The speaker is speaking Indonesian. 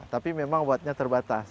tapi memang wattnya terbatas